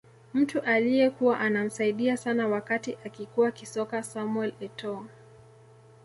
Mtu aliyekuwa anamsaidia sana wakati akikua kisoka Samuel Etoo